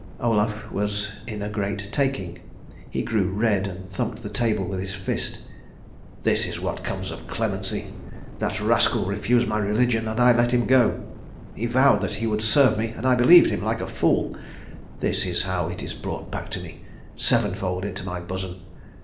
Olaf was in a great taking. He grew red and thumped the table with his fist. "This is what comes of clemency. That rascal refused my religion and I let him go. He vowed that he would serve me and I believed him, like a fool. This is how it is brought back to me, sevenfold into my bosom.